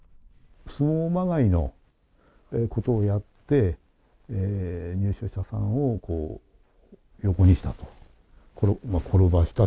相撲まがいなことをやって、入所者さんを横にしたと。